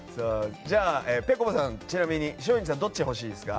ぺこぱさん、ちなみに松陰寺さんはどっちが欲しいですか？